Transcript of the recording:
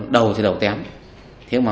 đầu thì đầu tém